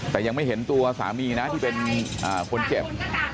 แต่ยังไม่เห็นตัวสามีนะที่เป็นคนเจ็บ